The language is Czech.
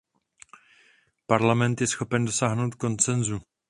Parlament je schopen dosáhnout konsenzu.